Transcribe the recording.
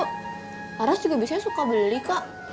aras juga biasanya suka beli kak